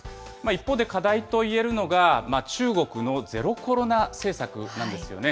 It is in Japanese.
一方で、課題といえるのが、中国のゼロコロナ政策なんですよね。